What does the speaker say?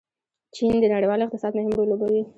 چین د نړیوال اقتصاد مهم رول لوبوي.